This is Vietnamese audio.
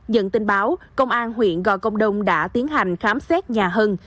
nhận tin báo công an huyện gò công đông đã tiến hành khám xét nhà hân